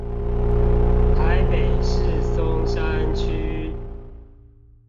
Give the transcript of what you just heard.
台北市松山區